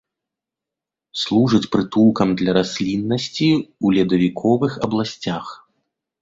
Служыць прытулкам для расліннасці ў ледавіковых абласцях.